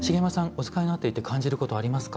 お使いになっていて感じることありますか？